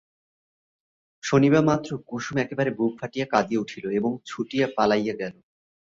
শুনিবামাত্র কুসুম একেবারে বুক ফাটিয়া কাঁদিয়া উঠিল এবং ছুটিয়া পালাইয়া গেল।